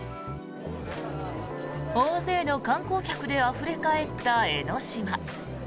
大勢の観光客であふれ返った江の島。